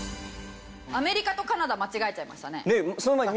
アメリカとカナダ間違えちゃいましたね。